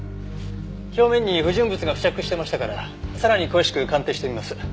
表面に不純物が付着してましたからさらに詳しく鑑定してみます。